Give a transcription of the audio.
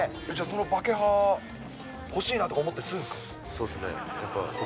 そのバケハ、欲しいなと思ったりするんですか？